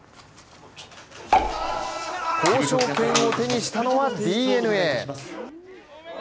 交渉権を手にしたのはＤｅＮＡ。